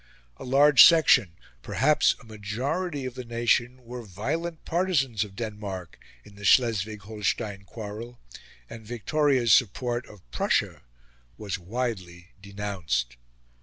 A large section perhaps a majority of the nation were violent partisans of Denmark in the Schleswig Holstein quarrel; and Victoria's support of Prussia was widely denounced.